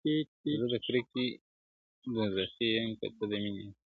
زه د کرکي دوزخي يم، ته د ميني اسيانه يې,